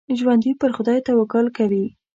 ژوندي پر خدای توکل کوي